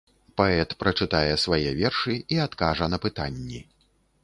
Паэт прачытае свае вершы і адкажа на пытанні.